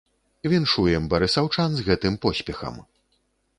Віншуем барысаўчан з гэтым поспехам!